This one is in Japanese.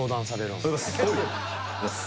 おはようございます。